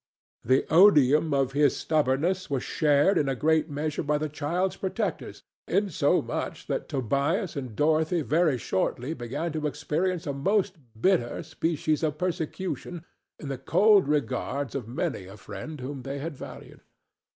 The odium of this stubbornness was shared in a great measure by the child's protectors, insomuch that Tobias and Dorothy very shortly began to experience a most bitter species of persecution in the cold regards of many a friend whom they had valued.